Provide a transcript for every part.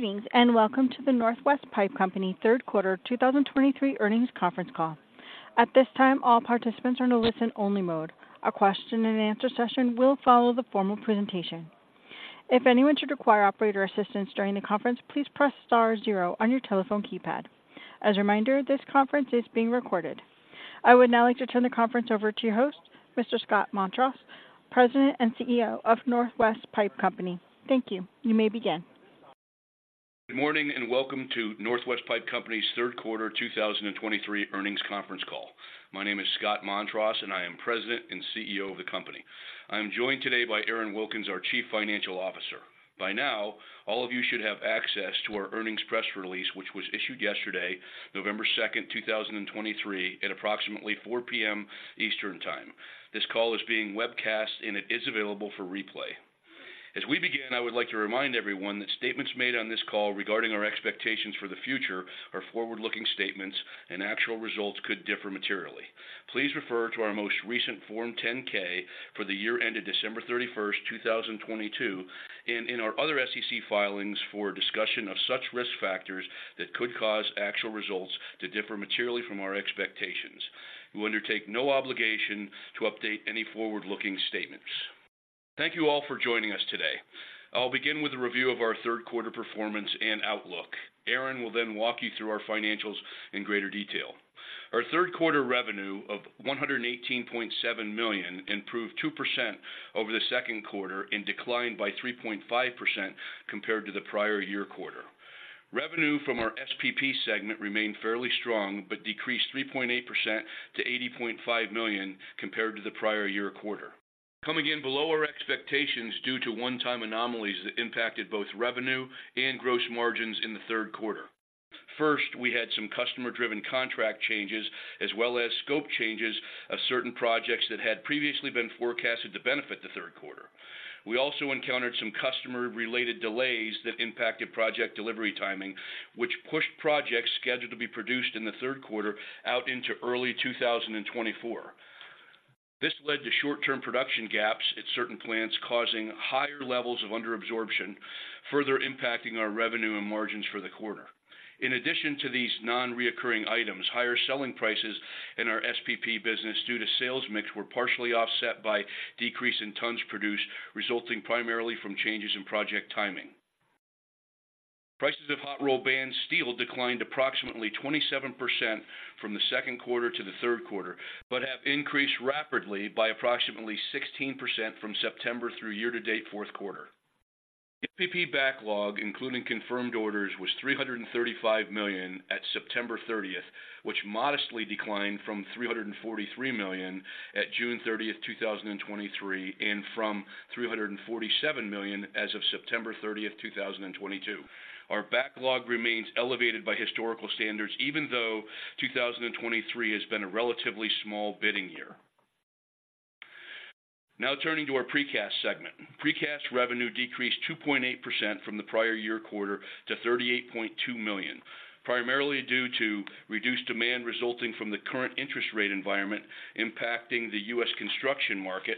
Greetings, and welcome to the Northwest Pipe Company Q3 2023 earnings conference call. At this time, all participants are in a listen-only mode. A question-and-answer session will follow the formal presentation. If anyone should require operator assistance during the conference, please press star zero on your telephone keypad. As a reminder, this conference is being recorded. I would now like to turn the conference over to your host, Mr. Scott Montross, President and CEO of Northwest Pipe Company. Thank you. You may begin. Good morning, and welcome to Northwest Pipe Company's Q3 2023 earnings conference call. My name is Scott Montross, and I am President and CEO of the company. I am joined today by Aaron Wilkins, our Chief Financial Officer. By now, all of you should have access to our earnings press release, which was issued yesterday, November 2, 2023, at approximately 4 P.M. Eastern Time. This call is being webcast and it is available for replay. As we begin, I would like to remind everyone that statements made on this call regarding our expectations for the future are forward-looking statements, and actual results could differ materially. Please refer to our most recent Form 10-K for the year ended December 31, 2022, and in our other SEC filings for a discussion of such risk factors that could cause actual results to differ materially from our expectations. We undertake no obligation to update any forward-looking statements. Thank you all for joining us today. I'll begin with a review of our Q3 performance and outlook. Aaron will then walk you through our financials in greater detail. Our Q3 revenue of $118.7 million improved 2% over the Q2 and declined by 3.5% compared to the prior year quarter. Revenue from our SPP segment remained fairly strong, but decreased 3.8% to $80.5 million compared to the prior year quarter, coming in below our expectations due to one-time anomalies that impacted both revenue and gross margins in the Q3. First, we had some customer-driven contract changes as well as scope changes of certain projects that had previously been forecasted to benefit the Q3. We also encountered some customer-related delays that impacted project delivery timing, which pushed projects scheduled to be produced in the Q3 out into early 2024. This led to short-term production gaps at certain plants, causing higher levels of under-absorption, further impacting our revenue and margins for the quarter. In addition to these non-recurring items, higher selling prices in our SPP business due to sales mix were partially offset by decrease in tons produced, resulting primarily from changes in project timing. Prices of hot-rolled band steel declined approximately 27% from the Q2 to the Q3, but have increased rapidly by approximately 16% from September through year-to-date Q4. SPP backlog, including confirmed orders, was $335 million at September 30, which modestly declined from $343 million at June 30, 2023, and from $347 million as of September 30, 2022. Our backlog remains elevated by historical standards, even though 2023 has been a relatively small bidding year. Now turning to our Precast segment. Precast revenue decreased 2.8% from the prior year quarter to $38.2 million, primarily due to reduced demand resulting from the current interest rate environment impacting the US construction market,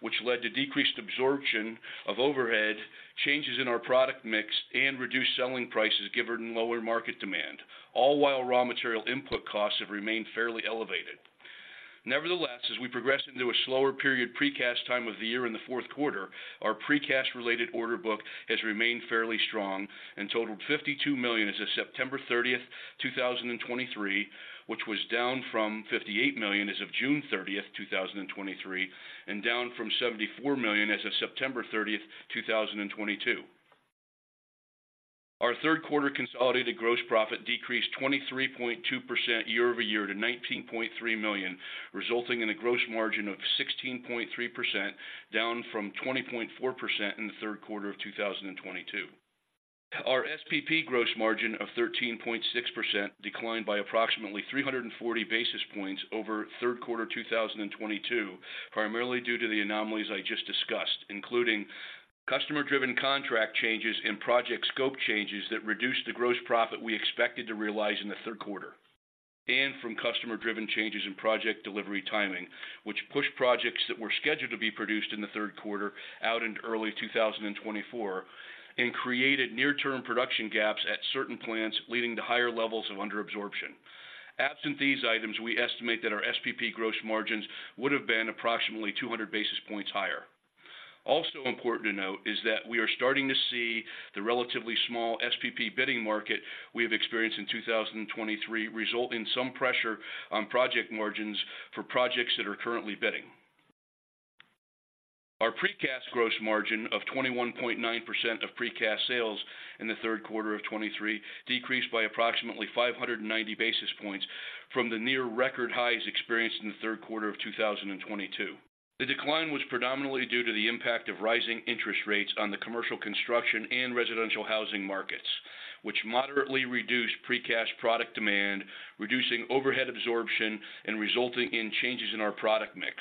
which led to decreased absorption of overhead, changes in our product mix and reduced selling prices given lower market demand, all while raw material input costs have remained fairly elevated. Nevertheless, as we progress into a slower period Precast time of the year in the Q4, our Precast-related order book has remained fairly strong and totaled $52 million as of September 30, 2023, which was down from $58 million as of June 30, 2023, and down from $74 million as of September 30, 2022. Our Q3 consolidated gross profit decreased 23.2% year over year to $19.3 million, resulting in a gross margin of 16.3%, down from 20.4% in the Q3 of 2022. Our SPP gross margin of 13.6% declined by approximately 340 basis points over Q3 2022, primarily due to the anomalies I just discussed, including customer-driven contract changes and project scope changes that reduced the gross profit we expected to realize in the Q3, and from customer-driven changes in project delivery timing, which pushed projects that were scheduled to be produced in the Q3 out in early 2024 and created near-term production gaps at certain plants, leading to higher levels of under-absorption. Absent these items, we estimate that our SPP gross margins would have been approximately 200 basis points higher. Also important to note is that we are starting to see the relatively small SPP bidding market we have experienced in 2023 result in some pressure on project margins for projects that are currently bidding. Our Precast gross margin of 21.9% of Precast sales in the Q3 of 2023 decreased by approximately 590 basis points from the near record highs experienced in the Q3 of 2022. The decline was predominantly due to the impact of rising interest rates on the commercial construction and residential housing markets, which moderately reduced Precast product demand, reducing overhead absorption and resulting in changes in our product mix.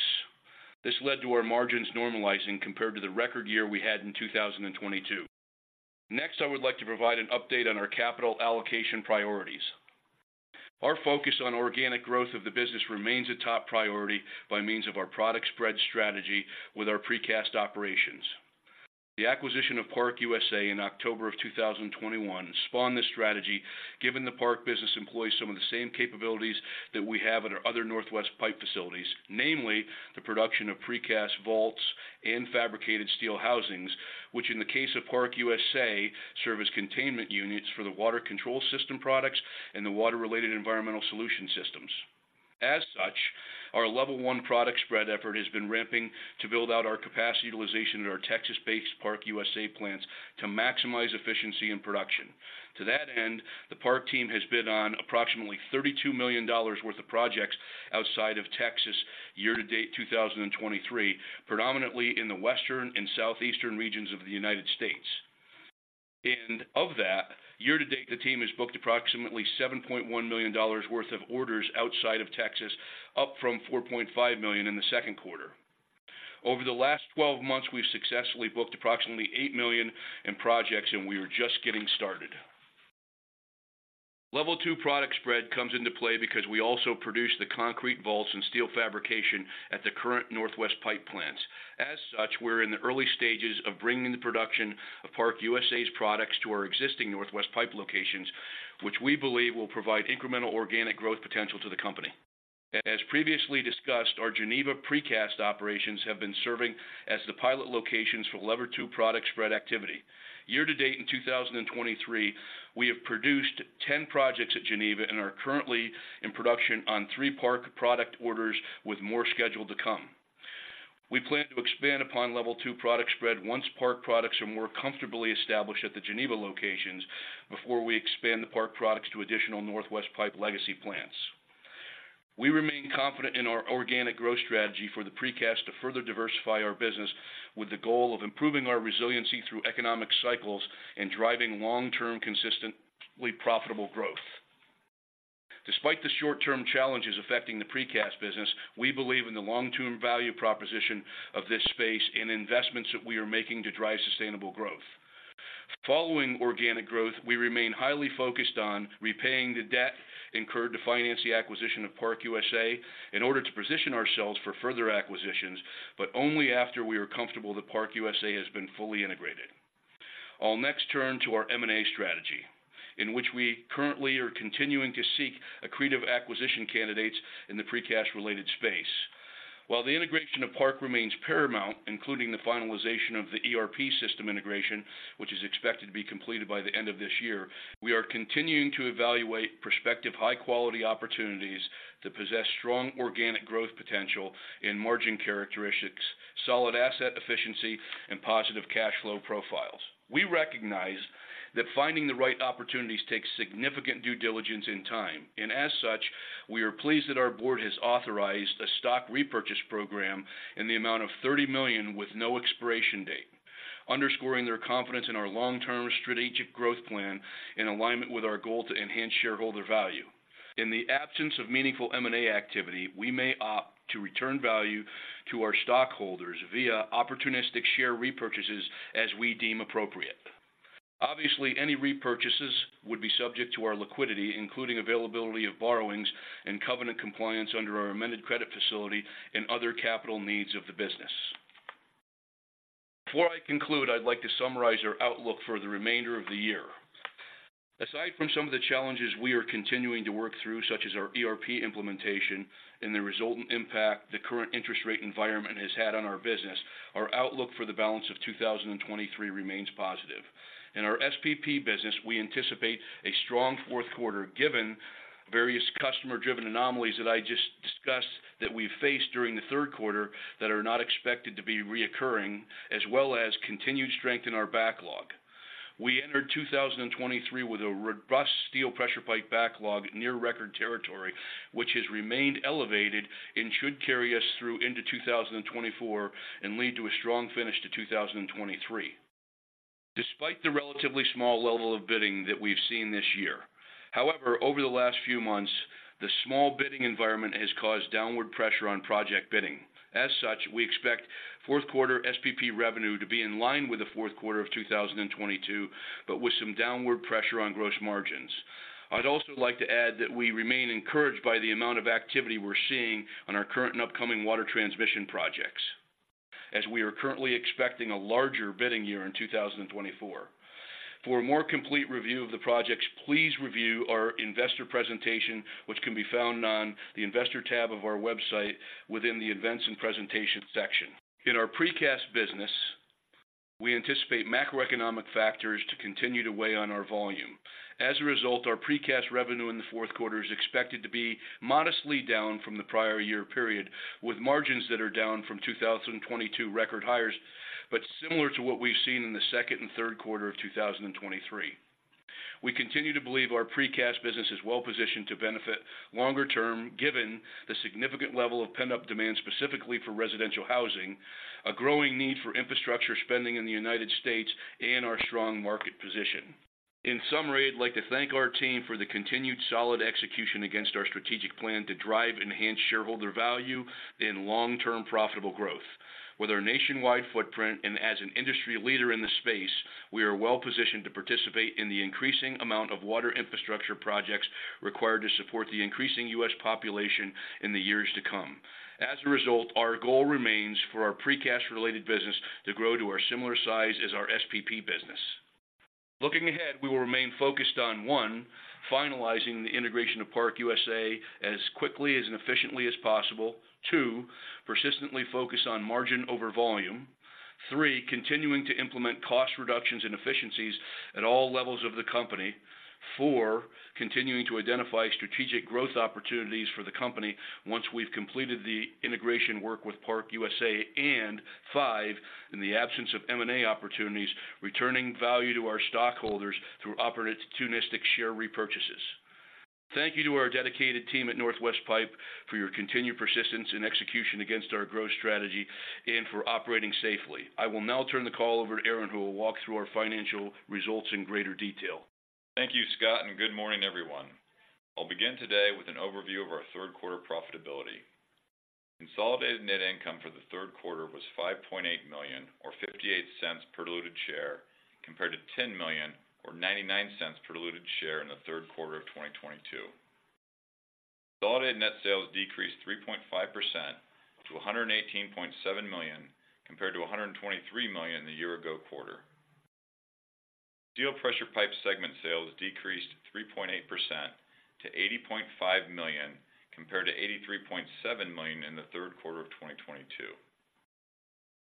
This led to our margins normalizing compared to the record year we had in 2022. Next, I would like to provide an update on our capital allocation priorities. Our focus on organic growth of the business remains a top priority by means of our product spread strategy with our Precast operations. The acquisition of ParkUSA in October of 2021 spawned this strategy, given the Park business employs some of the same capabilities that we have at our other Northwest Pipe facilities, namely the production of Precast vaults and fabricated steel housings, which in the case of ParkUSA, serve as containment units for the water control system products and the water-related environmental solution systems. As such, our Level 1 product spread effort has been ramping to build out our capacity utilization at our Texas-based ParkUSA plants to maximize efficiency and production. To that end, the ParkUSA team has bid on approximately $32 million worth of projects outside of Texas, year-to-date, 2023, predominantly in the Western and Southeastern regions of the United States. Of that, year-to-date, the team has booked approximately $7.1 million worth of orders outside of Texas, up from $4.5 million in the Q2. Over the last twelve months, we've successfully booked approximately $8 million in projects, and we are just getting started. Level 2 product spread comes into play because we also produce the Concrete Vaults and steel fabrication at the current Northwest Pipe plants. As such, we're in the early stages of bringing the production of ParkUSA's products to our existing Northwest Pipe locations, which we believe will provide incremental organic growth potential to the company. As previously discussed, our Geneva Precast operations have been serving as the pilot locations for level two product spread activity. Year to date in 2023, we have produced 10 projects at Geneva and are currently in production on 3 Park product orders, with more scheduled to come. We plan to expand upon level two product spread once Park products are more comfortably established at the Geneva locations, before we expand the Park products to additional Northwest Pipe legacy plants. We remain confident in our organic growth strategy for the Precast to further diversify our business, with the goal of improving our resiliency through economic cycles and driving long-term, consistently profitable growth. Despite the short-term challenges affecting the Precast business, we believe in the long-term value proposition of this space and investments that we are making to drive sustainable growth. Following organic growth, we remain highly focused on repaying the debt incurred to finance the acquisition of ParkUSA in order to position ourselves for further acquisitions, but only after we are comfortable that ParkUSA has been fully integrated. I'll next turn to our M&A strategy, in which we currently are continuing to seek accretive acquisition candidates in the Precast-related space. While the integration of ParkUSA remains paramount, including the finalization of the ERP system integration, which is expected to be completed by the end of this year, we are continuing to evaluate prospective high-quality opportunities that possess strong organic growth potential in margin characteristics, solid asset efficiency, and positive cash flow profiles. We recognize that finding the right opportunities takes significant due diligence and time, and as such, we are pleased that our board has authorized a stock repurchase program in the amount of $30 million with no expiration date, underscoring their confidence in our long-term strategic growth plan in alignment with our goal to enhance shareholder value. In the absence of meaningful M&A activity, we may opt to return value to our stockholders via opportunistic share repurchases as we deem appropriate. Obviously, any repurchases would be subject to our liquidity, including availability of borrowings and covenant compliance under our amended credit facility and other capital needs of the business. Before I conclude, I'd like to summarize our outlook for the remainder of the year. Aside from some of the challenges we are continuing to work through, such as our ERP implementation and the resultant impact the current interest rate environment has had on our business, our outlook for the balance of 2023 remains positive. In our SPP business, we anticipate a strong Q4, given various customer-driven anomalies that I just discussed, that we faced during the Q3 that are not expected to be recurring, as well as continued strength in our backlog. We entered 2023 with a robust Steel Pressure Pipe backlog, near record territory, which has remained elevated and should carry us through into 2024 and lead to a strong finish to 2023. Despite the relatively small level of bidding that we've seen this year. However, over the last few months, the small bidding environment has caused downward pressure on project bidding. As such, we expect Q4 SPP revenue to be in line with the Q4 of 2022, but with some downward pressure on gross margins. I'd also like to add that we remain encouraged by the amount of activity we're seeing on our current and upcoming water transmission projects, as we are currently expecting a larger bidding year in 2024. For a more complete review of the projects, please review our investor presentation, which can be found on the Investor tab of our website within the Events and Presentation section. In our Precast business, we anticipate macroeconomic factors to continue to weigh on our volume. As a result, our Precast revenue in the Q4 is expected to be modestly down from the prior year period, with margins that are down from 2022 record highs, but similar to what we've seen in the second and Q3 of 2023. We continue to believe our Precast business is well positioned to benefit longer term, given the significant level of pent-up demand, specifically for residential housing, a growing need for infrastructure spending in the United States, and our strong market position. In summary, I'd like to thank our team for the continued solid execution against our strategic plan to drive enhanced shareholder value and long-term profitable growth. With our nationwide footprint and as an industry leader in this space, we are well-positioned to participate in the increasing amount of water infrastructure projects required to support the increasing US population in the years to come. As a result, our goal remains for our Precast-related business to grow to a similar size as our SPP business. Looking ahead, we will remain focused on, ontwo, finalizing the integration of ParkUSA as quickly as and efficiently as possible. two, persistently focus on margin over volume. three, continuing to implement cost reductions and efficiencies at all levels of the company. four, continuing to identify strategic growth opportunities for the company once we've completed the integration work with ParkUSA. And five, in the absence of M&A opportunities, returning value to our stockholders through opportunistic share repurchases. Thank you to our dedicated team at Northwest Pipe for your continued persistence and execution against our growth strategy and for operating safely. I will now turn the call over to Aaron, who will walk through our financial results in greater detail. Thank you, Scott, and good morning, everyone. I'll begin today with an overview of our Q3 profitability. Consolidated net income for the Q3 was $5.8 million, or $0.58 per diluted share, compared to $10 million or $0.99 per diluted share in the Q3 of 2022. Consolidated net sales decreased 3.5% to $118.7 million, compared to $123 million the year ago quarter. Steel Pressure Pipe segment sales decreased 3.8% to $80.5 million, compared to $83.7 million in the Q3 of 2022.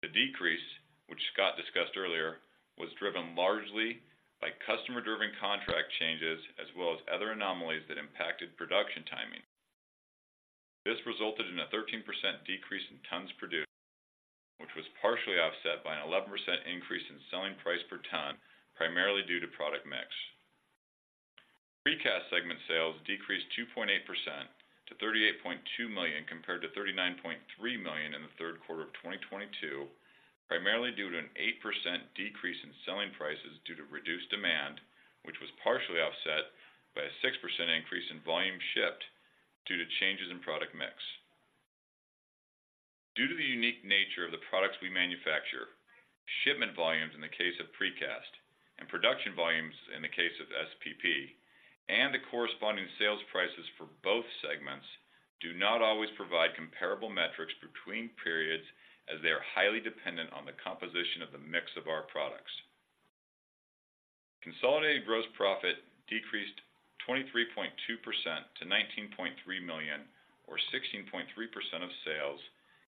The decrease, which Scott discussed earlier, was driven largely by customer-driven contract changes, as well as other anomalies that impacted production timing. This resulted in a 13% decrease in tons produced, which was partially offset by an 11% increase in selling price per ton, primarily due to product mix. Precast Segment sales decreased 2.8% to $38.2 million, compared to $39.3 million in the Q3 of 2022, primarily due to an 8% decrease in selling prices due to reduced demand, which was partially offset by a 6% increase in volume shipped due to changes in product mix. Due to the unique nature of the products we manufacture, shipment volumes in the case of Precast and production volumes in the case of SPP, and the corresponding sales prices for both segments do not always provide comparable metrics between periods, as they are highly dependent on the composition of the mix of our products. Consolidated gross profit decreased 23.2% to $19.3 million, or 16.3% of sales,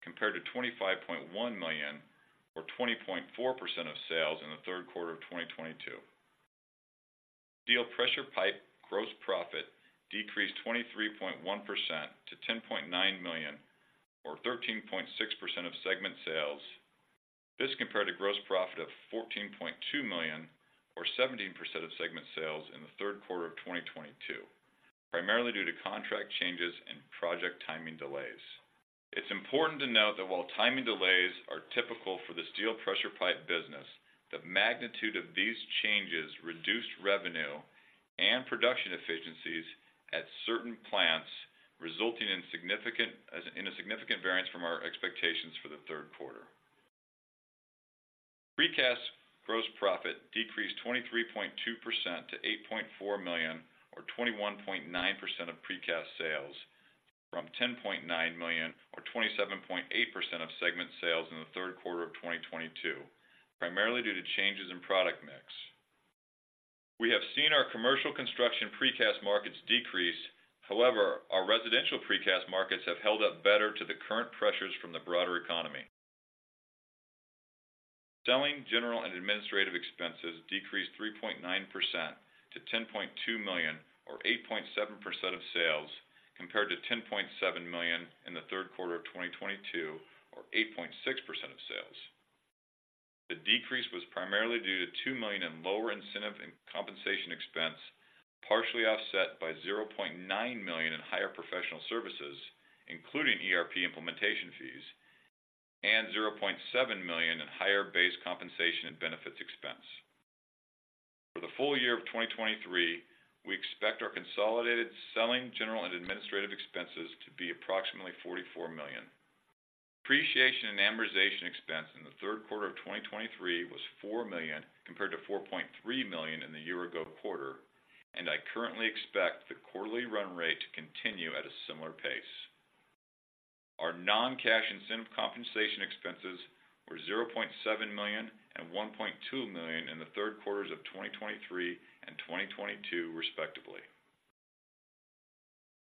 compared to $25.1 million, or 20.4% of sales in the Q3 of 2022. Steel Pressure Pipe gross profit decreased 23.1% to $10.9 million or 13.6% of segment sales. This compared to gross profit of $14.2 million or 17% of segment sales in the Q3 of 2022, primarily due to contract changes and project timing delays. It's important to note that while timing delays are typical for the Steel Pressure Pipe business, the magnitude of these changes reduced revenue and production efficiencies at certain plants, resulting in a significant variance from our expectations for the Q3. Precast gross profit decreased 23.2% to $8.4 million or 21.9% of Precast sales from $10.9 million or 27.8% of segment sales in the Q3 of 2022, primarily due to changes in product mix. We have seen our commercial construction Precast markets decrease. However, our residential Precast markets have held up better to the current pressures from the broader economy. Selling, general, and administrative expenses decreased 3.9% to $10.2 million or 8.7% of sales, compared to $10.7 million in the Q3 of 2022, or 8.6% of sales. The decrease was primarily due to $2 million in lower incentive and compensation expense, partially offset by $0.9 million in higher professional services, including ERP implementation fees and $0.7 million in higher base compensation and benefits expense. For the full year of 2023, we expect our consolidated selling, general, and administrative expenses to be approximately $44 million. Depreciation and amortization expense in the Q3 of 2023 was $4 million, compared to $4.3 million in the year ago quarter, and I currently expect the quarterly run rate to continue at a similar pace. Our non-cash incentive compensation expenses were $0.7 million and $1.2 million in the Q3s of 2023 and 2022, respectively.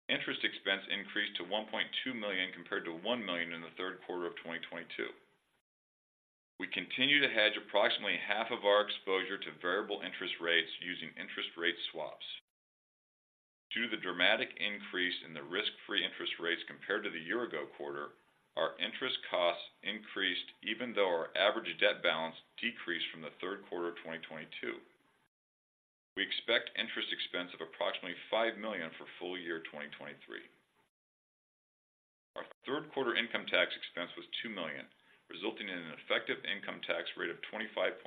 Interest expense increased to $1.2 million, compared to $1 million in the Q3 of 2022. We continue to hedge approximately half of our exposure to variable interest rates using interest rate swaps. Due to the dramatic increase in the risk-free interest rates compared to the year-ago quarter, our interest costs increased, even though our average debt balance decreased from the Q3 of 2022. We expect interest expense of approximately $5 million for full year 2023. Our Q3 income tax expense was $2 million, resulting in an effective income tax rate of 25.7%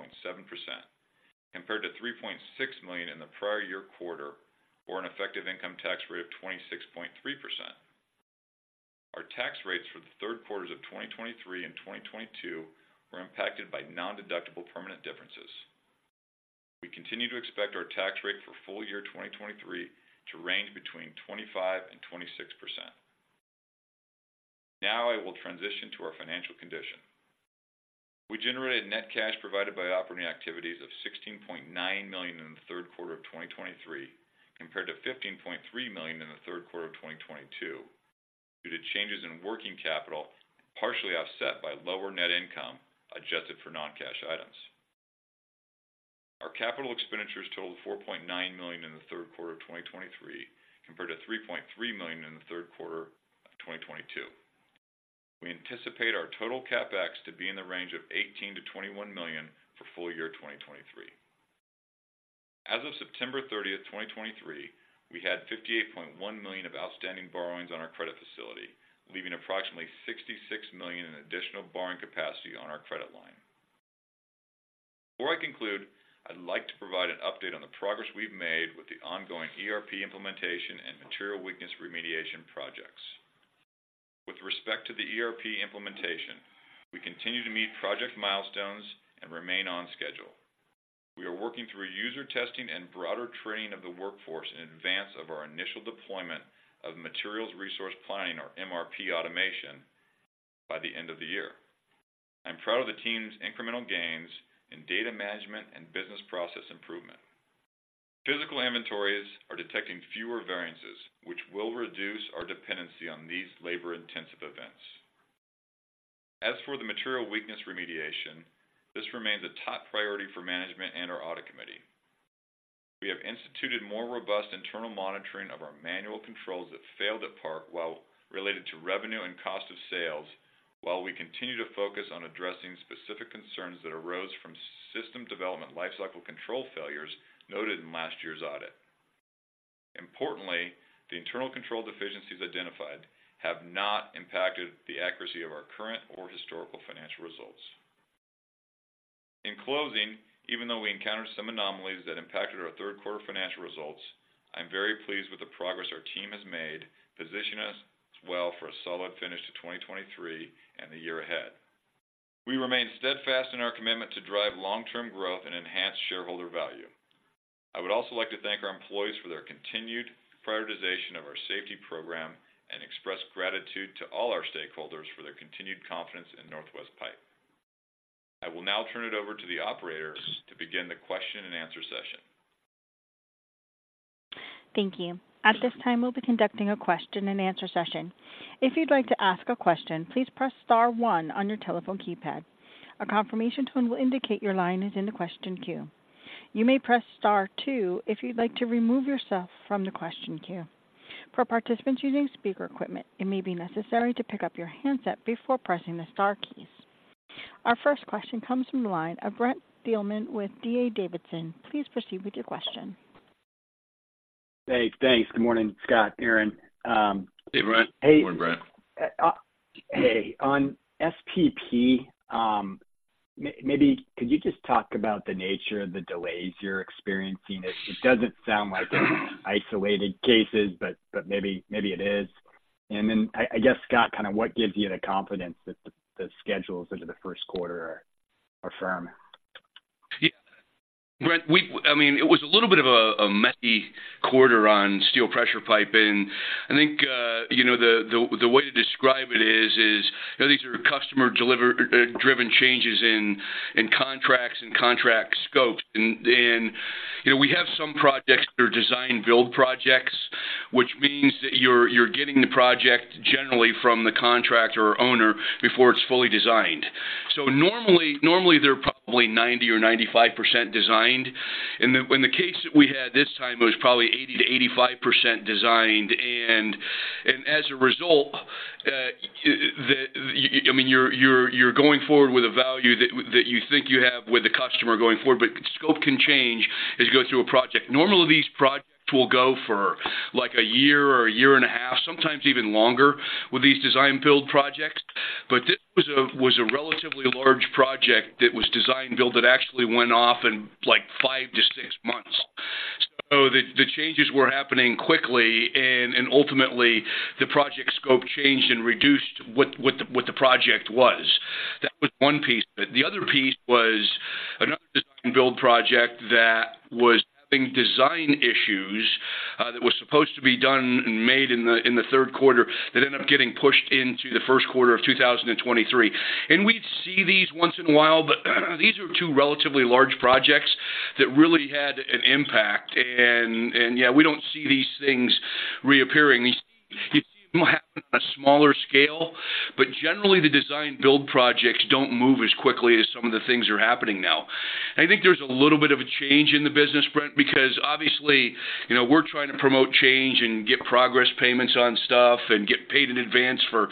compared to $3.6 million in the prior year quarter, or an effective income tax rate of 26.3%. Our tax rates for the Q3s of 2023 and 2022 were impacted by nondeductible permanent differences. We continue to expect our tax rate for full year 2023 to range between 25% and 26%. Now I will transition to our financial condition. We generated net cash provided by operating activities of $16.9 million in the Q3 of 2023, compared to $15.3 million in the Q3 of 2022, due to changes in working capital, partially offset by lower net income adjusted for non-cash items. Our capital expenditures totaled $4.9 million in the Q3 of 2023, compared to $3.3 million in the Q3 of 2022. We anticipate our total CapEx to be in the range of $18 to 21 million for full year 2023. As of September 30, 2023, we had $58.1 million of outstanding borrowings on our credit facility, leaving approximately $66 million in additional borrowing capacity on our credit line. Before I conclude, I'd like to provide an update on the progress we've made with the ongoing ERP implementation and material weakness remediation projects. With respect to the ERP implementation, we continue to meet project milestones and remain on schedule. We are working through user testing and broader training of the workforce in advance of our initial deployment of materials resource planning, or MRP automation, by the end of the year. I'm proud of the team's incremental gains in data management and business process improvement. Physical inventories are detecting fewer variances, which will reduce our dependency on these labor-intensive events. As for the material weakness remediation, this remains a top priority for management and our audit committee. We have instituted more robust internal monitoring of our manual controls that failed at ParkUSA while related to revenue and cost of sales, while we continue to focus on addressing specific concerns that arose from system development lifecycle control failures noted in last year's audit. Importantly, the internal control deficiencies identified have not impacted the accuracy of our current or historical financial results. In closing, even though we encountered some anomalies that impacted our Q3 financial results, I'm very pleased with the progress our team has made, positioning us well for a solid finish to 2023 and the year ahead. We remain steadfast in our commitment to drive long-term growth and enhance shareholder value. I would also like to thank our employees for their continued prioritization of our safety program and express gratitude to all our stakeholders for their continued confidence in Northwest Pipe. I will now turn it over to the operator to begin the question and answer session. Thank you. At this time, we'll be conducting a question and answer session. If you'd like to ask a question, please press star one on your telephone keypad. A confirmation tone will indicate your line is in the question queue. You may press star two if you'd like to remove yourself from the question queue. For participants using speaker equipment, it may be necessary to pick up your handset before pressing the star keys. Our first question comes from the line of Brent Thielman with DADavidson. Please proceed with your question. Hey, thanks. Good morning, Scott, Aaron. Hey, Brent. Good morning, Brent. Hey, on SPP, maybe could you just talk about the nature of the delays you're experiencing? It doesn't sound like isolated cases, but maybe it is. And then I guess, Scott, kind of what gives you the confidence that the schedules into the Q1 are firm? Yeah, Brent, we—I mean, it was a little bit of a messy quarter on Steel Pressure Pipe. And I think, you know, the way to describe it is, you know, these are customer delivery-driven changes in contracts and contract scopes. And, you know, we have some projects that are Design-Build projects, which means that you're getting the project generally from the contractor or owner before it's fully designed. So normally, they're probably 90% or 95% designed, and the case that we had this time, it was probably 80%-85% designed. And as a result, I mean, you're going forward with a value that you think you have with the customer going forward, but scope can change as you go through a project. Normally, these projects will go for, like, a year or a year and a half, sometimes even longer, with these Design-Build projects. But this was a relatively large project that was Design-Build, that actually went off in, like, 5 to 6 months. So the changes were happening quickly, and ultimately the project scope changed and reduced what the project was. That was one piece. But the other piece was another Design-Build project that was having design issues that was supposed to be done and made in the Q3, that ended up getting pushed into the Q1 of 2023. And we'd see these once in a while, but these are two relatively large projects that really had an impact. And yeah, we don't see these things reappearing. These, you see them happen on a smaller scale, but generally, the Design-Build projects don't move as quickly as some of the things are happening now. I think there's a little bit of a change in the business, Brent, because obviously, you know, we're trying to promote change and get progress payments on stuff and get paid in advance for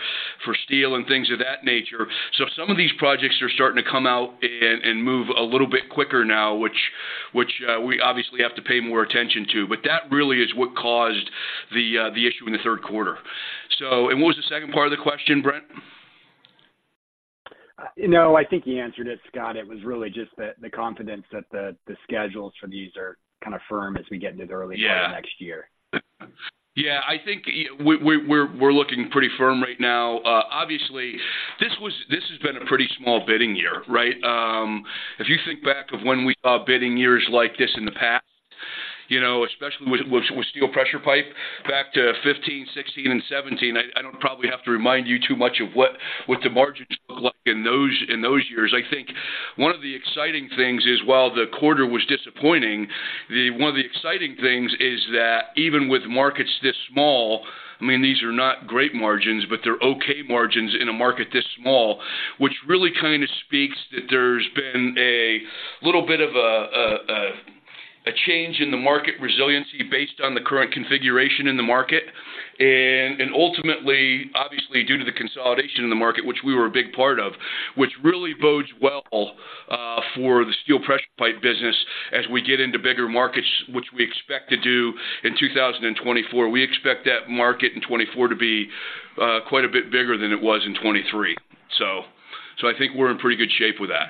steel and things of that nature. So some of these projects are starting to come out and move a little bit quicker now, which we obviously have to pay more attention to. But that really is what caused the issue in the Q3. So, what was the second part of the question, Brent?... you know, I think you answered it, Scott. It was really just the confidence that the schedules for these are kind of firm as we get into the early part of next year. Yeah. Yeah, I think we're looking pretty firm right now. Obviously, this has been a pretty small bidding year, right? If you think back to when we saw bidding years like this in the past, you know, especially with Steel Pressure Pipe, back to 2015, 2016 and 2017, I don't probably have to remind you too much of what the margins looked like in those years. I think one of the exciting things is, while the quarter was disappointing, the one of the exciting things is that even with markets this small, I mean, these are not great margins, but they're okay margins in a market this small, which really kind of speaks that there's been a little bit of a change in the market resiliency based on the current configuration in the market. Ultimately, obviously, due to the consolidation in the market, which we were a big part of, which really bodes well for the Steel Pressure Pipe business as we get into bigger markets, which we expect to do in 2024. We expect that market in 2024 to be quite a bit bigger than it was in 2023. So I think we're in pretty good shape with that.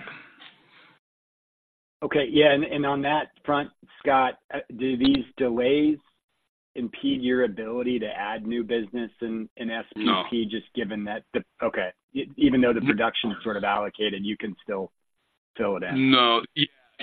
Okay. Yeah, and on that front, Scott, do these delays impede your ability to add new business in SPP? No. Even though the production is sort of allocated, you can still fill it in? No.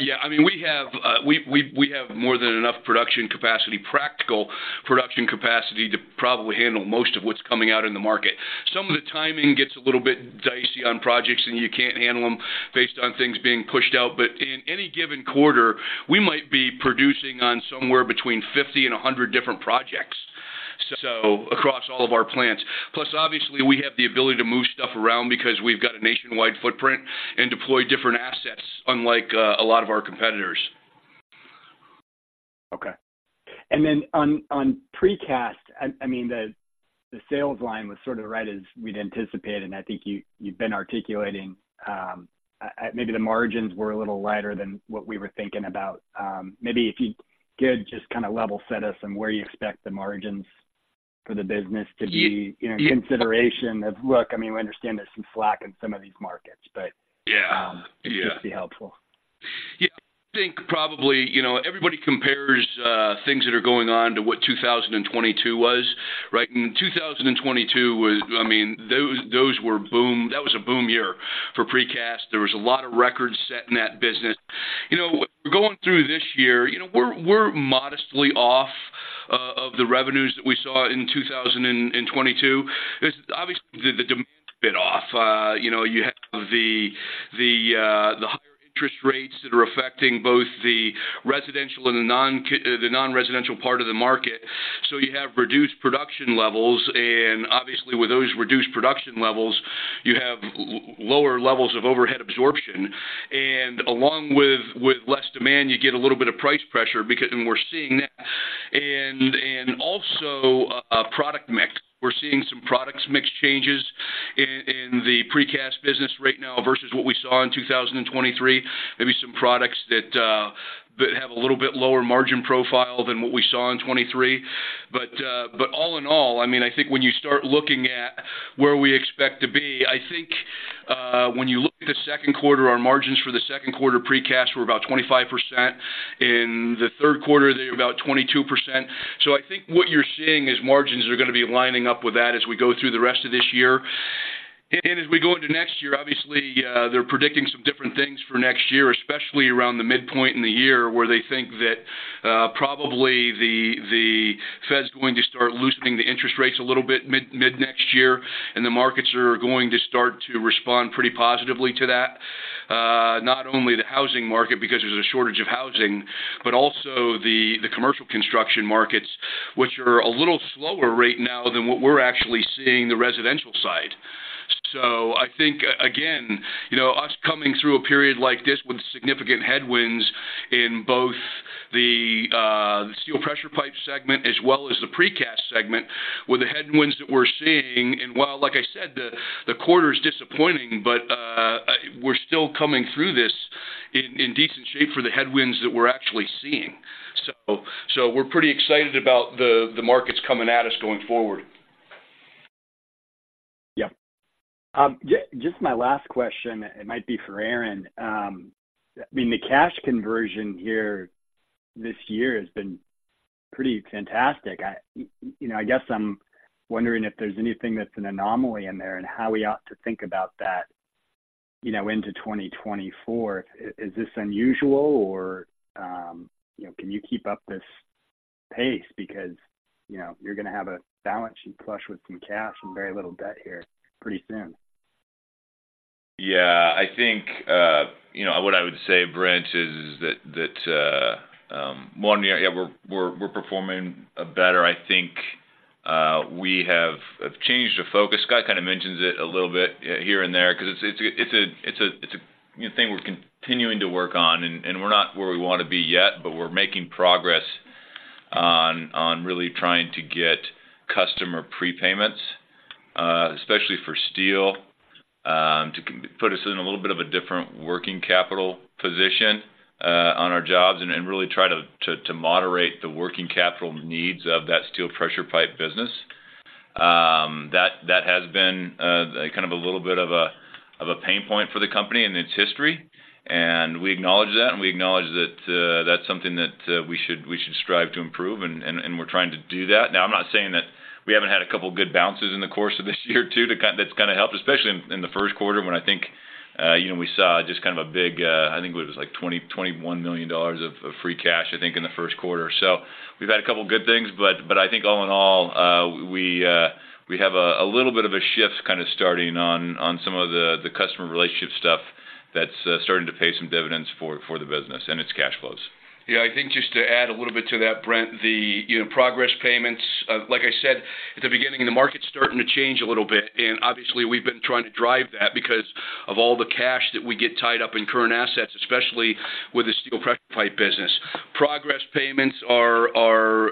Yeah, I mean, we have more than enough production capacity, practical production capacity, to probably handle most of what's coming out in the market. Some of the timing gets a little bit dicey on projects, and you can't handle them based on things being pushed out. But in any given quarter, we might be producing on somewhere between 50 and 100 different projects, so across all of our plants. Plus, obviously, we have the ability to move stuff around because we've got a nationwide footprint and deploy different assets, unlike a lot of our competitors. Okay. And then on Precast, I mean, the sales line was sort of right as we'd anticipated, and I think you've been articulating, maybe the margins were a little lighter than what we were thinking about. Maybe if you could just kind of level set us on where you expect the margins for the business to be- Yeah. in consideration of... Look, I mean, we understand there's some slack in some of these markets, but- Yeah. Yeah. It'd just be helpful. Yeah. I think probably, you know, everybody compares things that are going on to what 2022 was, right? In 2022 was... I mean, those, those were boom. That was a boom year for Precast. There was a lot of records set in that business. You know, going through this year, you know, we're, we're modestly off of the revenues that we saw in 2022. It's obviously the higher interest rates that are affecting both the residential and the non-residential part of the market. So you have reduced production levels, and obviously with those reduced production levels, you have lower levels of overhead absorption. Along with less demand, you get a little bit of price pressure because we're seeing that. And also, product mix. We're seeing some product mix changes in the Precast business right now versus what we saw in 2023. Maybe some products that have a little bit lower margin profile than what we saw in 2023. But all in all, I mean, I think when you start looking at where we expect to be, I think when you look at the Q2, our margins for the Q2 Precast were about 25%. In the Q3, they were about 22%. So I think what you're seeing is margins are going to be lining up with that as we go through the rest of this year. As we go into next year, obviously, they're predicting some different things for next year, especially around the midpoint in the year, where they think that, probably the, the Fed's going to start loosening the interest rates a little bit mid, mid next year, and the markets are going to start to respond pretty positively to that. Not only the housing market, because there's a shortage of housing, but also the, the commercial construction markets, which are a little slower right now than what we're actually seeing in the residential side. So I think, again, you know, us coming through a period like this with significant headwinds in both the Steel Pressure Pipe segment as well as the Precast segment, with the headwinds that we're seeing, and while, like I said, the quarter is disappointing, but we're still coming through this in decent shape for the headwinds that we're actually seeing. So we're pretty excited about the markets coming at us going forward. Yeah. Just my last question, it might be for Aaron. I mean, the cash conversion here this year has been pretty fantastic. You know, I guess I'm wondering if there's anything that's an anomaly in there and how we ought to think about that, you know, into 2024. Is this unusual or, you know, can you keep up this pace? Because, you know, you're gonna have a balance sheet flush with some cash and very little debt here pretty soon. Yeah. I think, you know, what I would say, Brent, is that we're performing better. I think we have a change of focus. Scott kind of mentions it a little bit here and there, 'cause it's a thing we're continuing to work on, and we're not where we want to be yet, but we're making progress on really trying to get customer prepayments, especially for steel, to put us in a little bit of a different working capital position on our jobs and really try to moderate the working capital needs of that Steel Pressure Pipe business. That has been a kind of a little bit of a pain point for the company in its history, and we acknowledge that, and we acknowledge that, that's something that we should strive to improve, and we're trying to do that. Now, I'm not saying that we haven't had a couple of good bounces in the course of this year too, that's kinda helped, especially in the Q1, when I think, you know, we saw just kind of a big... I think it was like $21 million of free cash, I think, in the Q1. So we've had a couple of good things, but, but I think all in all, we, we have a, a little bit of a shift kinda starting on, on some of the, the customer relationship stuff that's starting to pay some dividends for, for the business and its cash flows. Yeah, I think just to add a little bit to that, Brent, the you know, progress payments, like I said at the beginning, the market's starting to change a little bit, and obviously, we've been trying to drive that because of all the cash that we get tied up in current assets, especially with the Steel Pressure Pipe business. Progress payments are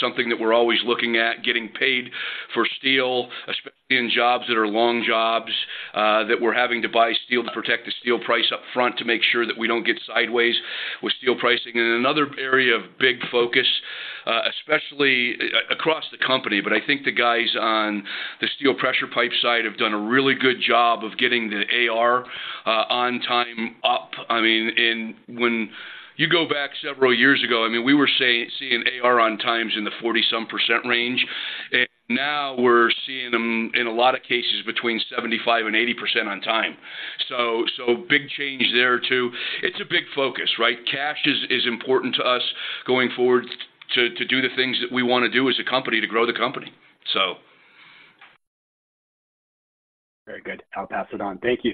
something that we're always looking at, getting paid for steel, especially in jobs that are long jobs, that we're having to buy steel to protect the steel price up front to make sure that we don't get sideways with steel pricing. And another area of big focus, especially across the company, but I think the guys on the Steel Pressure Pipe side have done a really good job of getting the AR on time up. I mean, and when you go back several years ago, I mean, we were seeing AR on time in the 40% range, and now we're seeing them in a lot of cases between 75% and 80% on time. So, so big change there, too. It's a big focus, right? Cash is, is important to us going forward to, to do the things that we wanna do as a company to grow the company, so. Very good. I'll pass it on. Thank you.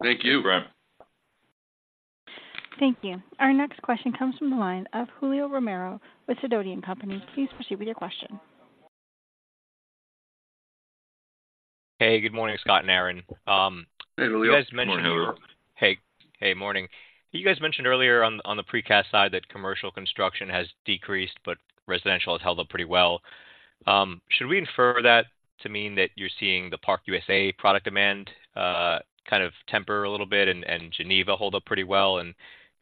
Thank you. Thank you, Brent. Thank you. Our next question comes from the line of Julio Romero with Sidoti & Company. Please proceed with your question. Hey, good morning, Scott and Aaron. Hey, Julio. Good morning, Julio. Hey. Hey, morning. You guys mentioned earlier on, on the Precast side, that commercial construction has decreased, but residential has held up pretty well. Should we infer that to mean that you're seeing the ParkUSA product demand, kind of temper a little bit and, and Geneva hold up pretty well, and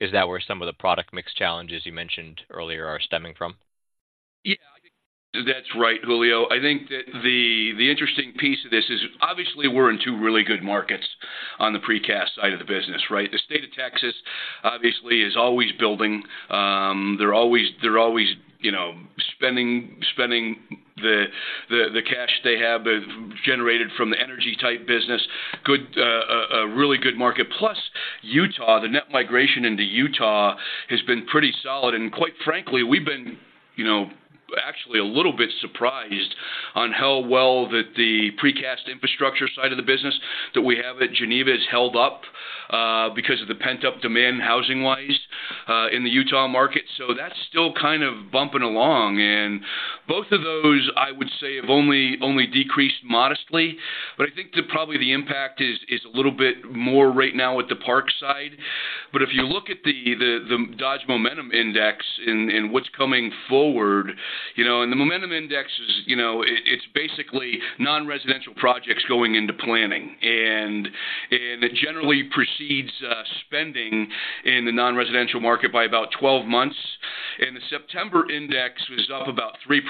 is that where some of the product mix challenges you mentioned earlier are stemming from? Yeah, that's right, Julio. I think that the interesting piece of this is, obviously, we're in two really good markets on the Precast side of the business, right? The state of Texas, obviously, is always building. They're always, you know, spending the cash they have generated from the energy-type business. Good, a really good market. Plus, Utah, the net migration into Utah has been pretty solid, and quite frankly, we've been, you know, actually a little bit surprised on how well the Precast infrastructure side of the business that we have at Geneva has held up, because of the pent-up demand, housing-wise, in the Utah market. So that's still kind of bumping along. And both of those, I would say, have only decreased modestly, but I think that probably the impact is a little bit more right now with the park side. But if you look at the Dodge Momentum Index and what's coming forward, you know, and the momentum index is, you know, it's basically non-residential projects going into planning. And it generally precedes spending in the non-residential market by about 12 months. And the September index was up about 3%,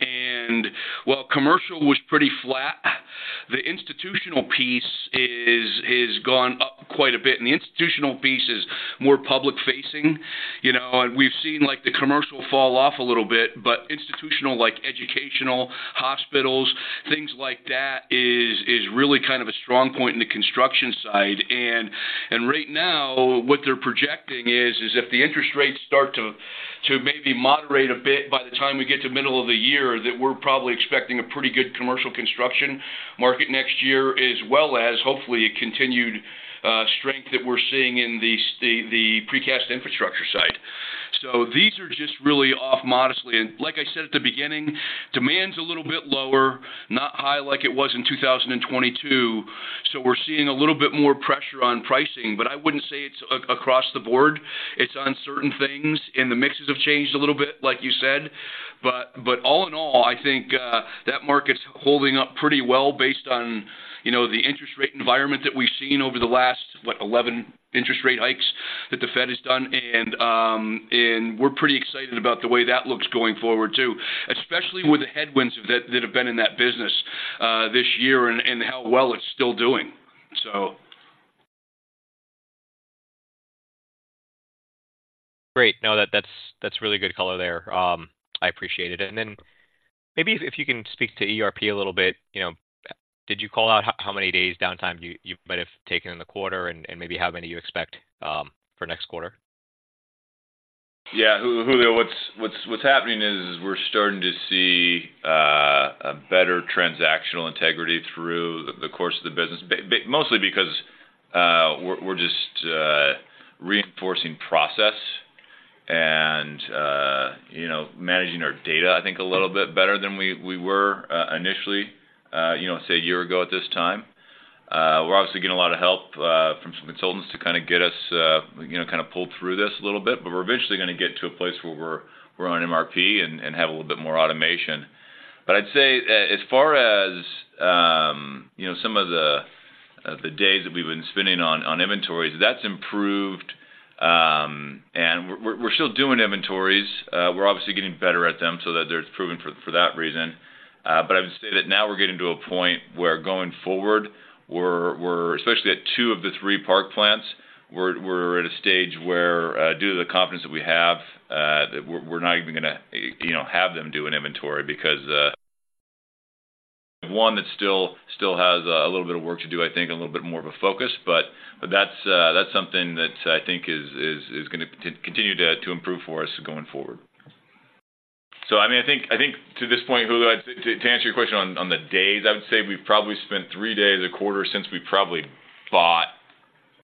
and while commercial was pretty flat, the institutional piece is gone up quite a bit, and the institutional piece is more public-facing. You know, and we've seen, like, the commercial fall off a little bit, but institutional, like educational, hospitals, things like that, is really kind of a strong point in the construction side. Right now, what they're projecting is if the interest rates start to maybe moderate a bit by the time we get to middle of the year, that we're probably expecting a pretty good commercial construction market next year, as well as, hopefully, a continued strength that we're seeing in the Precast infrastructure side. So these are just really off modestly. Like I said at the beginning, demand's a little bit lower, not high like it was in 2022. So we're seeing a little bit more pressure on pricing, but I wouldn't say it's across the board. It's on certain things, and the mixes have changed a little bit, like you said. But all in all, I think that market's holding up pretty well based on, you know, the interest rate environment that we've seen over the last, what, 11 interest rate hikes that the Fed has done. And we're pretty excited about the way that looks going forward, too, especially with the headwinds that have been in that business this year and how well it's still doing, so. Great. No, that, that's, that's really good color there. I appreciate it. And then maybe if, if you can speak to ERP a little bit, you know, did you call out how many days downtime you, you might have taken in the quarter and, and maybe how many you expect for next quarter? Yeah. Julio, what's happening is we're starting to see a better transactional integrity through the course of the business, mostly because we're just reinforcing process and, you know, managing our data, I think, a little bit better than we were initially, you know, say, a year ago at this time. We're obviously getting a lot of help from some consultants to kinda get us, you know, kinda pull through this a little bit, but we're eventually gonna get to a place where we're on MRP and have a little bit more automation.... But I'd say, as far as, you know, some of the days that we've been spending on inventories, that's improved. We're still doing inventories. We're obviously getting better at them so that they're improving for that reason. But I would say that now we're getting to a point where going forward, we're especially at 2 of the 3 Park plants, we're at a stage where, due to the confidence that we have, that we're not even gonna, you know, have them do an inventory because 1 that still has a little bit of work to do, I think, a little bit more of a focus. But that's something that I think is gonna continue to improve for us going forward. So, I mean, I think to this point, Julio, to answer your question on the days, I would say we've probably spent 3 days a quarter since we probably bought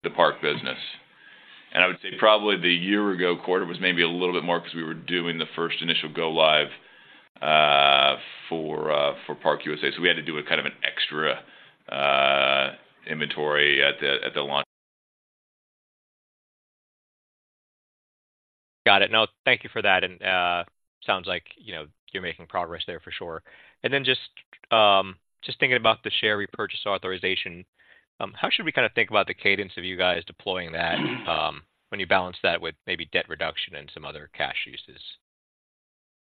the Park business. And I would say probably the year-ago quarter was maybe a little bit more because we were doing the first initial go live for ParkUSA. So we had to do a kind of an extra inventory at the launch. Got it. No, thank you for that, and sounds like, you know, you're making progress there for sure. And then just thinking about the share repurchase authorization, how should we kinda think about the cadence of you guys deploying that, when you balance that with maybe debt reduction and some other cash uses?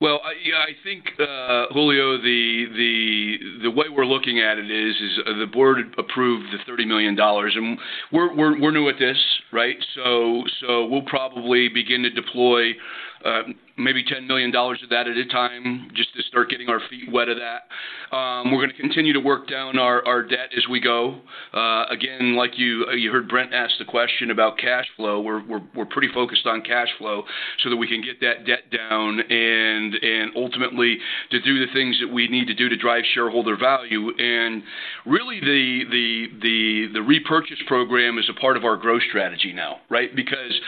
Well, yeah, I think, Julio, the way we're looking at it is the board approved the $30 million, and we're new at this, right? So we'll probably begin to deploy maybe $10 million of that at a time just to start getting our feet wet of that. We're gonna continue to work down our debt as we go. Again, like you heard Brent ask the question about cash flow. We're pretty focused on cash flow so that we can get that debt down and ultimately to do the things that we need to do to drive shareholder value. And really, the repurchase program is a part of our growth strategy now, right? Because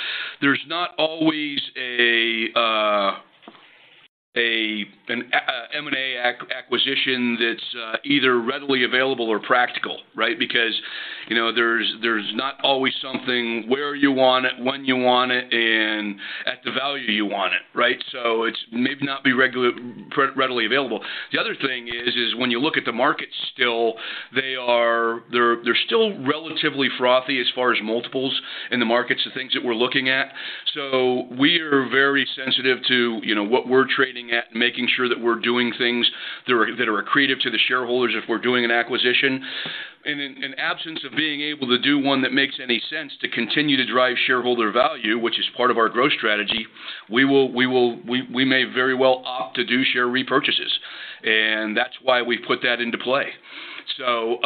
there's not always a M&A acquisition that's either readily available or practical, right? Because, you know, there's not always something where you want it, when you want it, and at the value you want it, right? So it's maybe not be regularly readily available. The other thing is, when you look at the market still, they're still relatively frothy as far as multiples in the markets, the things that we're looking at. So we are very sensitive to, you know, what we're trading at and making sure that we're doing things that are accretive to the shareholders if we're doing an acquisition. And in absence of being able to do one that makes any sense, to continue to drive shareholder value, which is part of our growth strategy, we may very well opt to do share repurchases, and that's why we put that into play. So,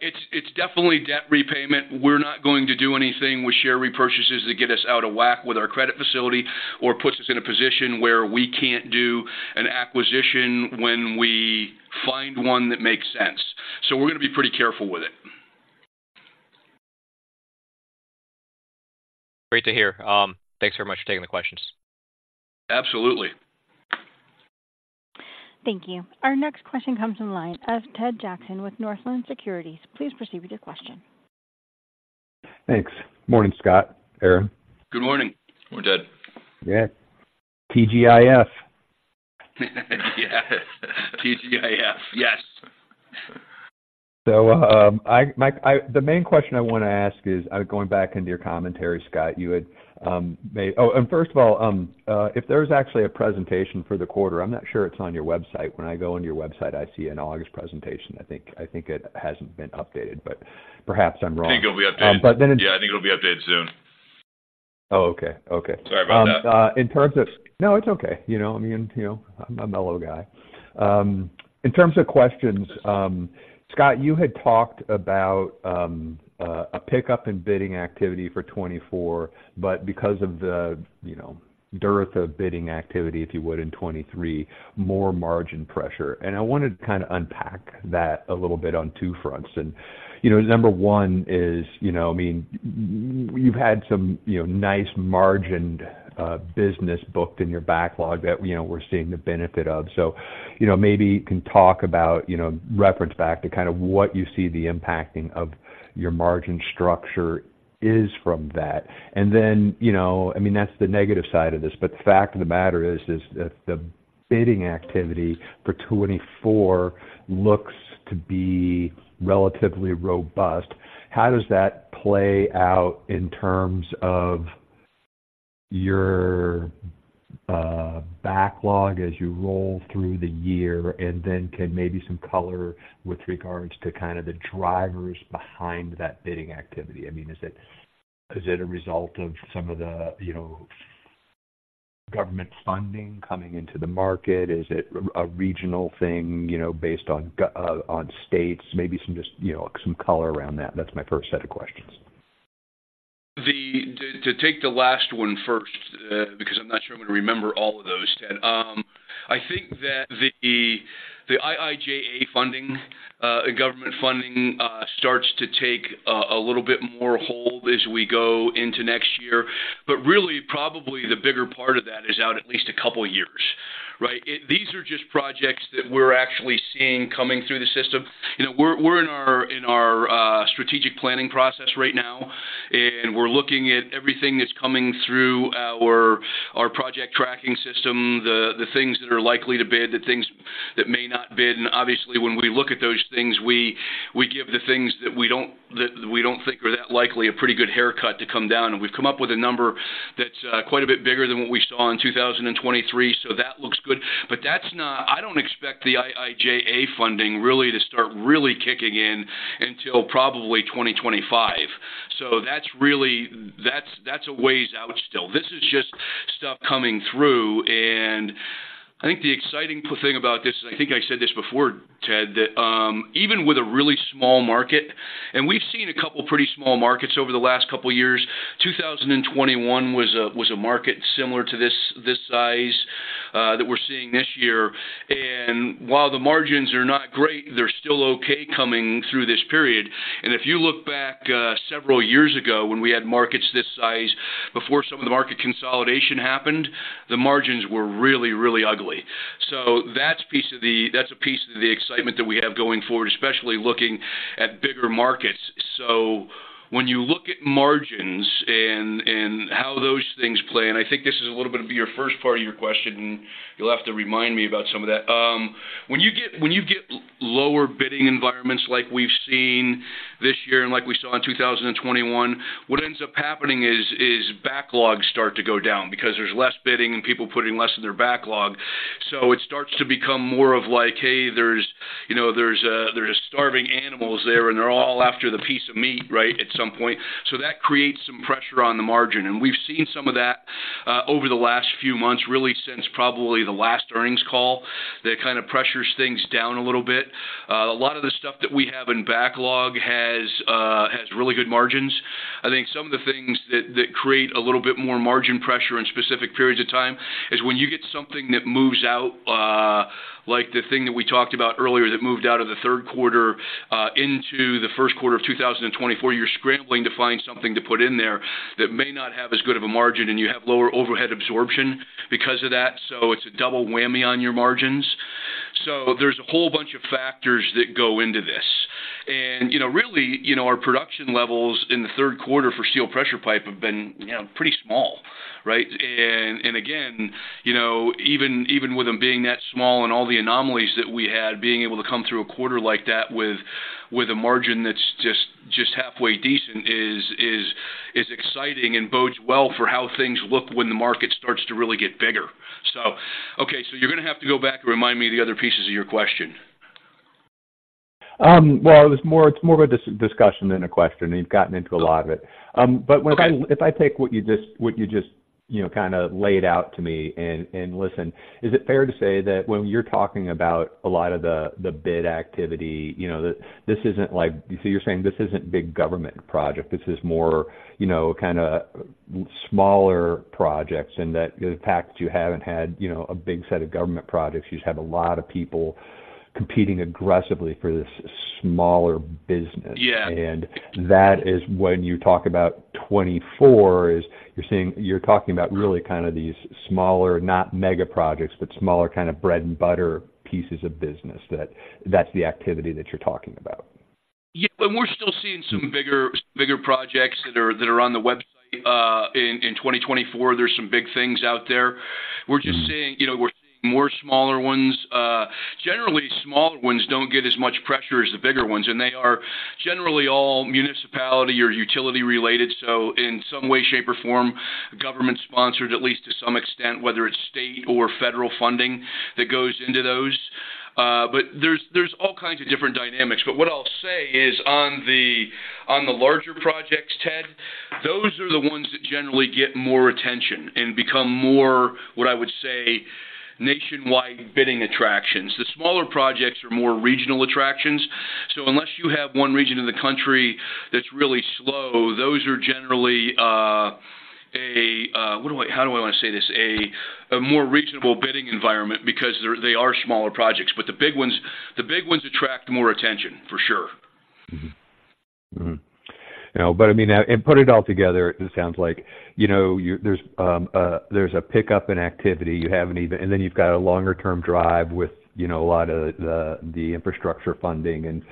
it's definitely debt repayment. We're not going to do anything with share repurchases that get us out of whack with our credit facility or puts us in a position where we can't do an acquisition when we find one that makes sense. So we're gonna be pretty careful with it. Great to hear. Thanks very much for taking the questions. Absolutely. Thank you. Our next question comes from the line of Ted Jackson with Northland Securities. Please proceed with your question. Thanks. Morning, Scott, Aaron. Good morning. Morning, Ted. Yeah. TGIF. Yes, TGIF. Yes. The main question I wanna ask is, going back into your commentary, Scott, you had made... Oh, and first of all, if there's actually a presentation for the quarter, I'm not sure it's on your website. When I go on your website, I see an August presentation. I think it hasn't been updated, but perhaps I'm wrong. I think it'll be updated. But then it- Yeah, I think it'll be updated soon. Oh, okay. Okay. Sorry about that. No, it's okay. You know, I mean, you know, I'm a mellow guy. In terms of questions, Scott, you had talked about a pickup in bidding activity for 2024, but because of the, you know, dearth of bidding activity, if you would, in 2023, more margin pressure, and I wanted to kinda unpack that a little bit on two fronts. You know, number one is, you know, I mean, you've had some, you know, nice margined business booked in your backlog that, you know, we're seeing the benefit of. So, you know, maybe you can talk about, you know, reference back to kind of what you see the impacting of your margin structure is from that. And then, you know, I mean, that's the negative side of this, but the fact of the matter is, is that the bidding activity for 2024 looks to be relatively robust. How does that play out in terms of your backlog as you roll through the year? And then can maybe some color with regards to kind of the drivers behind that bidding activity. I mean, is it, is it a result of some of the, you know, government funding coming into the market? Is it a, a regional thing, you know, based on states? Maybe some just, you know, some color around that. That's my first set of questions. To take the last one first, because I'm not sure I'm gonna remember all of those, Ted. I think that the IIJA funding, government funding, starts to take a little bit more hold as we go into next year, but really, probably the bigger part of that is out at least a couple of years, right? These are just projects that we're actually seeing coming through the system. You know, we're in our strategic planning process right now, and we're looking at everything that's coming through our project tracking system, the things that are likely to bid, the things that may not bid. And obviously, when we look at those things, we give the things that we don't think are that likely a pretty good haircut to come down, and we've come up with a number that's quite a bit bigger than what we saw in 2023. So that looks good, but that's not. I don't expect the IIJA funding really to start really kicking in until probably 2025. So that's really a ways out still. This is just stuff coming through, and I think the exciting thing about this, I think I said this before, Ted, that even with a really small market, and we've seen a couple pretty small markets over the last couple of years. 2021 was a market similar to this size that we're seeing this year. While the margins are not great, they're still okay coming through this period. If you look back several years ago when we had markets this size, before some of the market consolidation happened, the margins were really, really ugly. So that's a piece of the excitement that we have going forward, especially looking at bigger markets. So when you look at margins and how those things play, and I think this is a little bit of your first part of your question, you'll have to remind me about some of that. When you get lower bidding environments like we've seen this year and like we saw in 2021, what ends up happening is backlogs start to go down because there's less bidding and people putting less in their backlog. So it starts to become more of like, hey, there's, you know, there's starving animals there, and they're all after the piece of meat, right, at some point. So that creates some pressure on the margin. And we've seen some of that over the last few months, really since probably the last earnings call. That kind of pressures things down a little bit. A lot of the stuff that we have in backlog has really good margins. I think some of the things that create a little bit more margin pressure in specific periods of time is when you get something that moves out, like the thing that we talked about earlier, that moved out of the Q3 into the Q1 of 2024. You're scrambling to find something to put in there that may not have as good of a margin, and you have lower overhead absorption because of that, so it's a double whammy on your margins. So there's a whole bunch of factors that go into this. And, you know, really, you know, our production levels in the Q3 for Steel Pressure Pipe have been, you know, pretty small, right? And again, you know, even with them being that small and all the anomalies that we had, being able to come through a quarter like that with a margin that's just halfway decent is exciting and bodes well for how things look when the market starts to really get bigger. So okay, so you're gonna have to go back and remind me of the other pieces of your question. Well, it's more—it's more of a discussion than a question, and you've gotten into a lot of it. But if I take what you just, you know, kind of laid out to me and listen, is it fair to say that when you're talking about a lot of the bid activity, you know, that this isn't like... So you're saying this isn't big government project, this is more, you know, kinda smaller projects, and that the fact that you haven't had, you know, a big set of government projects, you just have a lot of people competing aggressively for this smaller business? Yeah. And that is when you talk about 24, is you're saying, you're talking about really kind of these smaller, not mega projects, but smaller kind of bread-and-butter pieces of business, that that's the activity that you're talking about. Yeah, and we're still seeing some bigger, bigger projects that are, that are on the website. In, in 2024, there's some big things out there. Mm-hmm. We're just seeing, you know, we're seeing more smaller ones. Generally, smaller ones don't get as much pressure as the bigger ones, and they are generally all municipality or utility-related. So in some way, shape, or form, government-sponsored, at least to some extent, whether it's state or federal funding that goes into those. But there's all kinds of different dynamics. But what I'll say is on the larger projects, Ted, those are the ones that generally get more attention and become more, what I would say, nationwide bidding attractions. The smaller projects are more regional attractions. So unless you have one region in the country that's really slow, those are generally a more reasonable bidding environment because they are smaller projects. But the big ones, the big ones attract more attention, for sure. Mm-hmm. Mm-hmm. Now, but I mean, and put it all together, it sounds like, you know, there's a pickup in activity. You have an even—and then you've got a longer-term drive with, you know, a lot of the infrastructure funding. And,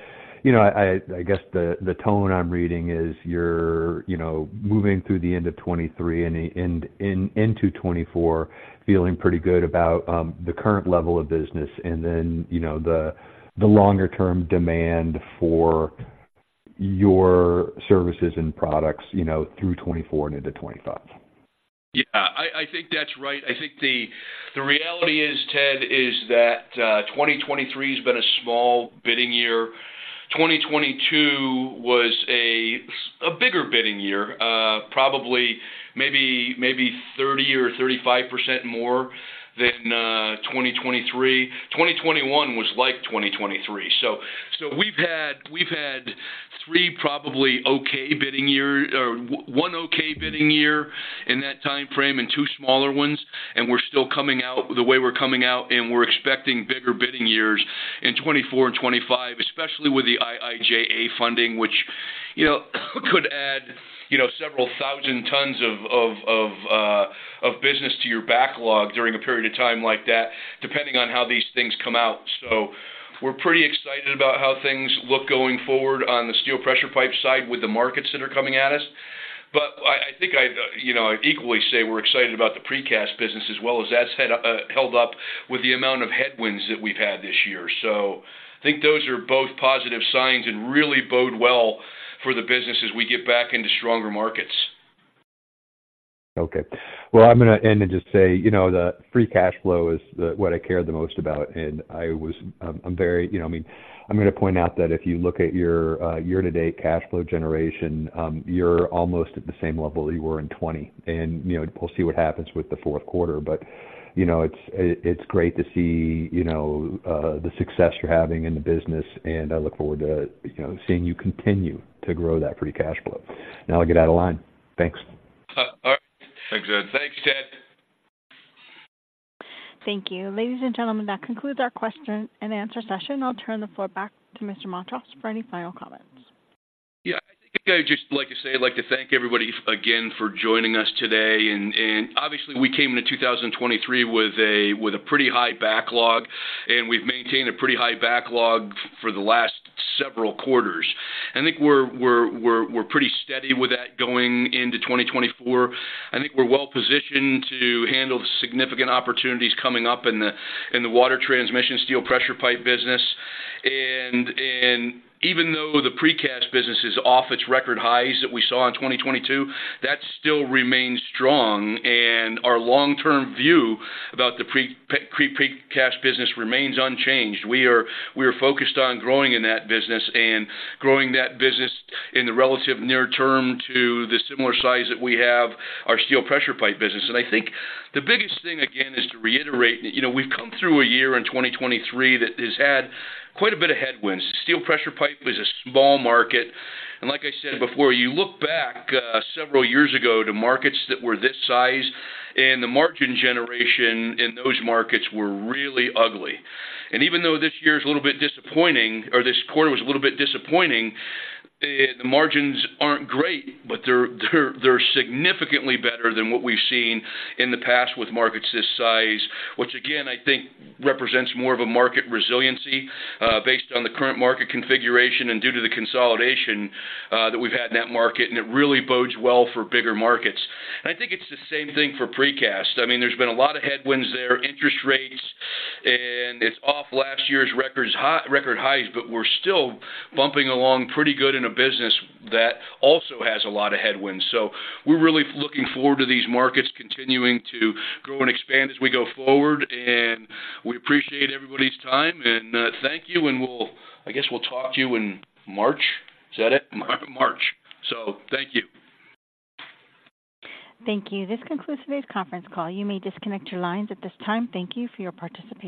you know, I guess the tone I'm reading is you're, you know, moving through the end of 2023 and into 2024, feeling pretty good about the current level of business, and then, you know, the longer-term demand for your services and products, you know, through 2024 and into 2025. Yeah, I think that's right. I think the reality is, Ted, that 2023 has been a small bidding year. 2022 was a bigger bidding year, probably maybe 30 or 35% more than 2023. 2021 was like 2023. So we've had three probably okay bidding years, or one okay bidding year in that time frame and two smaller ones, and we're still coming out the way we're coming out, and we're expecting bigger bidding years in 2024 and 2025, especially with the IIJA funding, which, you know, could add, you know, several thousand tons of business to your backlog during a period of time like that, depending on how these things come out. So-... We're pretty excited about how things look going forward on the Steel Pressure Pipe side with the markets that are coming at us. But I think I'd, you know, equally say we're excited about the Precast business as well, as that's had held up with the amount of headwinds that we've had this year. So I think those are both positive signs and really bode well for the business as we get back into stronger markets. Okay. Well, I'm gonna end and just say, you know, the free cash flow is the, what I care the most about, and I was, I'm very. You know, I mean, I'm gonna point out that if you look at your year-to-date cash flow generation, you're almost at the same level you were in 2020. And, you know, we'll see what happens with the Q4, but, you know, it's great to see, you know, the success you're having in the business, and I look forward to, you know, seeing you continue to grow that free cash flow. Now I'll get out of line. Thanks. All right. Thanks, Ted. Thank you. Ladies and gentlemen, that concludes our question and answer session. I'll turn the floor back to Mr. Montross for any final comments. Yeah, I think I'd just like to say, I'd like to thank everybody again for joining us today. And obviously, we came into 2023 with a pretty high backlog, and we've maintained a pretty high backlog for the last several quarters. I think we're pretty steady with that going into 2024. I think we're well positioned to handle the significant opportunities coming up in the water transmission Steel Pressure Pipe business. And even though the Precast business is off its record highs that we saw in 2022, that still remains strong, and our long-term view about the Precast business remains unchanged. We are focused on growing in that business and growing that business in the relative near term to the similar size that we have our Steel Pressure Pipe business. I think the biggest thing, again, is to reiterate, you know, we've come through a year in 2023 that has had quite a bit of headwinds. Steel Pressure Pipe is a small market, and like I said before, you look back several years ago to markets that were this size, and the margin generation in those markets were really ugly. And even though this year is a little bit disappointing, or this quarter was a little bit disappointing, the margins aren't great, but they're, they're, they're significantly better than what we've seen in the past with markets this size. Which again, I think represents more of a market resiliency based on the current market configuration and due to the consolidation that we've had in that market, and it really bodes well for bigger markets. And I think it's the same thing for Precast. I mean, there's been a lot of headwinds there, interest rates, and it's off last year's record highs, but we're still bumping along pretty good in a business that also has a lot of headwinds. So we're really looking forward to these markets continuing to grow and expand as we go forward, and we appreciate everybody's time, and thank you, and we'll... I guess we'll talk to you in March. Is that it? March. So thank you. Thank you. This concludes today's conference call. You may disconnect your lines at this time. Thank you for your participation.